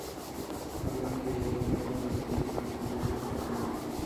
আল্লাহ তাকে হিফাজত করেন ও পাপিষ্ঠদের ষড়যন্ত্র থেকে রক্ষা করেন।